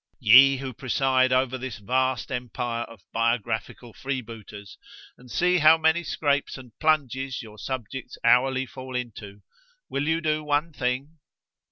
—Ye, who preside over this vast empire of biographical freebooters, and see how many scrapes and plunges your subjects hourly fall into;——will you do one thing?